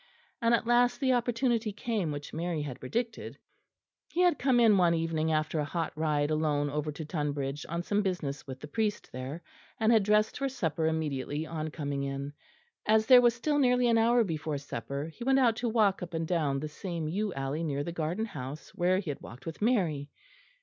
And at last the opportunity came which Mary had predicted. He had come in one evening after a hot ride alone over to Tonbridge on some business with the priest there; and had dressed for supper immediately on coming in. As there was still nearly an hour before supper, he went out to walk up and down the same yew alley near the garden house where he had walked with Mary.